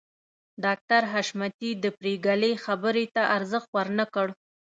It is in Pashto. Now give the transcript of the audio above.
ډاکټر حشمتي د پريګلې خبرو ته ارزښت ورنکړ